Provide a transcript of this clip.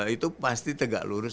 itu pasti tegak lurus